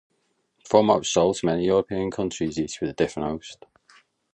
The format was sold to many European countries, each with a different host.